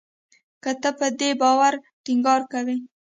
که ته په دې باور ټینګار کوې